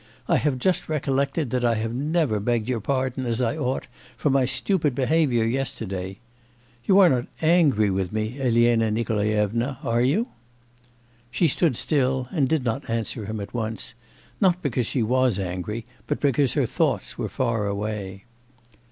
I have just recollected that I have never begged your pardon as I ought for my stupid behaviour yesterday. You are not angry with me, Elena Nikolaevna, are you?' She stood still and did not answer him at once not because she was angry, but because her thoughts were far away.